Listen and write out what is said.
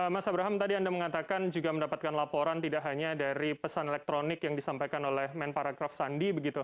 mas abraham tadi anda mengatakan juga mendapatkan laporan tidak hanya dari pesan elektronik yang disampaikan oleh men paragraf sandi begitu